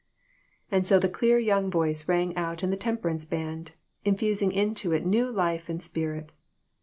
And so the clear young voice rang out in the temperance band, infusing into it new life and spirit.